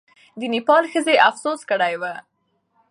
د نېپال ښځې افسوس کړی وو.